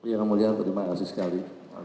ya kamu lihat terima kasih sekali